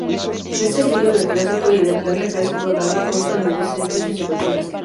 De estilo neoclásico y de planta casi cuadrada, consta de dos edificios y cocheras.